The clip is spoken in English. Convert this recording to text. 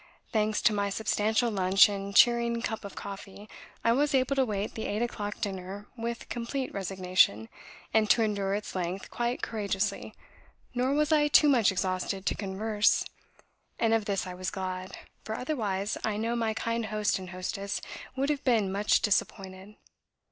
Thanks to my substantial lunch and cheering cup of coffee, I was able to wait the eight o'clock dinner with complete resignation, and to endure its length quite courageously, nor was I too much exhausted to converse; and of this I was glad, for otherwise I know my kind host and hostess would have been much disappointed.